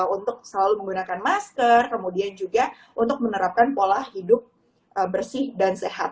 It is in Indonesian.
untuk selalu menggunakan masker kemudian juga untuk menerapkan pola hidup bersih dan sehat